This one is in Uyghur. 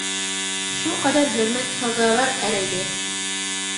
شۇ قەدەر ھۆرمەتكە سازاۋەر ئەر ئىدى!